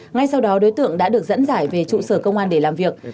ngay sau đó đối tượng đã được dẫn giải về trụ sở công an để làm việc